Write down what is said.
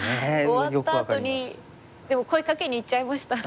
終わったあとにでも声かけに行っちゃいました。